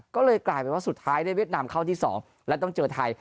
ก็เลยกลายเป็นว่าสุดท้ายได้เวียดนามเข้าที่๒และต้องเจอไทย